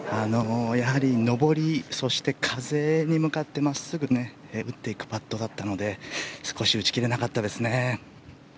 やはり上り、そして風に向かって真っすぐ打っていくパットだったので少し打ち切れなかったですね。